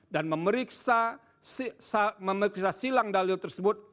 dan memeriksa silang dalil tersebut